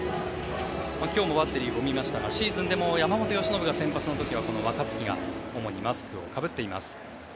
今日もバッテリーを見ましたらシーズンでも山本由伸が先発の時は若月が主にマスクをかぶっています。